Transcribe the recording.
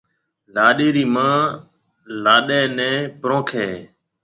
لاڏَي رِي مان لاڏِي نيَ پرونکيَ ھيََََ